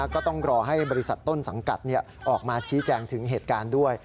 ก็ต้องรอให้บริษัทต้นสังกัดออกมาชี้แจงถึงเหตุการณ์ด้วย